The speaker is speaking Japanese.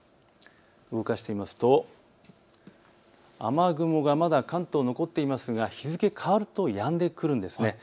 動かしてみますと雨雲がまだ関東、残っていますが日付変わるとやんでくるんです。